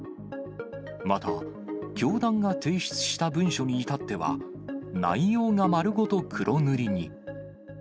また、教団が提出した文書に至っては、内容が丸ごと黒塗りに。